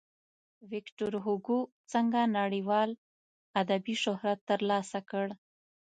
ویکتور هوګو څنګه نړیوال ادبي شهرت ترلاسه کړ.